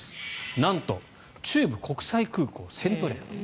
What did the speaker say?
なんと中部国際空港セントレア。